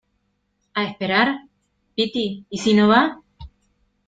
a esperar? piti, ¿ y si no va ?